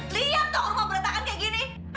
lihatlah rumah berantakan seperti ini